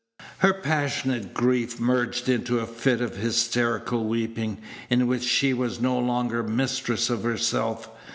Her passionate grief merged into a fit of hysterical weeping, in which she was no longer mistress of herself.